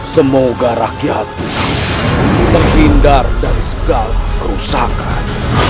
semoga rakyatmu terpindar dari segala kerusakan